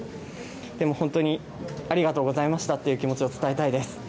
本当にありがとうございましたっていう気持ちを伝えたいです。